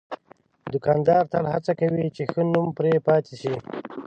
دوکاندار تل هڅه کوي چې ښه نوم پرې پاتې شي.